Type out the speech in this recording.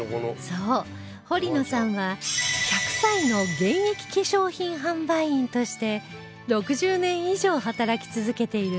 そう堀野さんは１００歳の現役化粧品販売員として６０年以上働き続けているんです